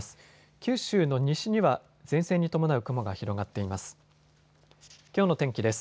九州の西には前線に伴う雲が広がっています。